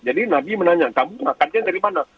jadi nabi menanya kamu makan dari mana